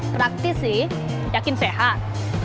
praktis sih yakin sehat